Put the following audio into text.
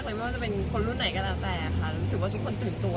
ไม่ว่าจะเป็นคนรุ่นไหนก็แล้วแต่ค่ะรู้สึกว่าทุกคนตื่นตัว